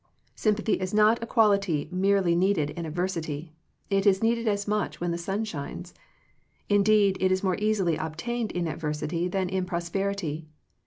Sympathy is not a quality merely needed in adversity. It is needed as much when the sun shines. Indeed, it is more easily obtained in ad versity than in prosperity.